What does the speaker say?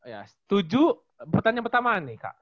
ya setuju pertanyaan pertama nih kak